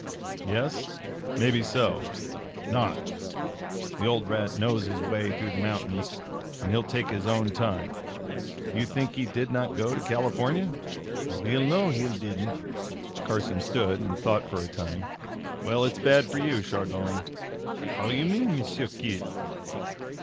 "Yes? Maybe so not! That old rat knows his way through the mountains, and he'll take his own time. You think he did not go on to California?" "We'll know he'll didn't." Carson stood and thought for a time. "Well, its bad for you, Chardon!" "How you mean, M'sieu Kit?"